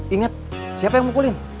ingat siapa yang mukulin